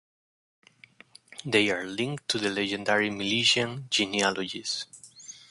They are linked to the legendary Milesian genealogies.